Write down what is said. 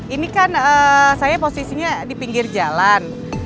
ini kan saya posisinya di pinggir jalan